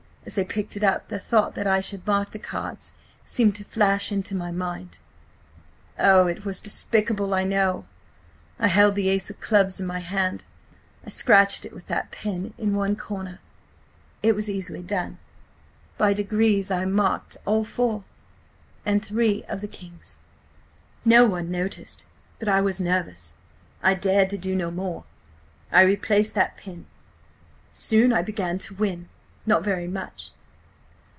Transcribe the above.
As I picked it up the thought that I should mark the cards seemed to flash into my mind–oh, it was despicable, I know! I held the ace of clubs in my hand: I scratched it with that pin–in one corner. It was easily done. By degrees I marked all four, and three of the kings. "No one noticed, but I was nervous–I dared do no more. I replaced that pin. Soon I began to win–not very much.